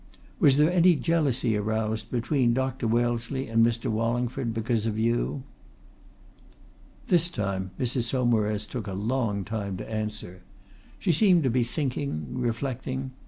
Was there any jealousy aroused between Dr. Wellesley and Mr. Wallingford because of you?" This time Mrs. Saumarez took a long time to answer. She seemed to be thinking, reflecting.